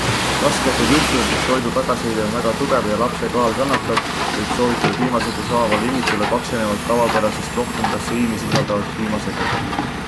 Rasketel juhtudel, kus toidu tagasiheide on väga tugev ja lapse kaal kannatab, võib soovitada piimasegu saavale imikule paksenevat, tavapärasest rohkem kaseiini sisaldavat piimasegu.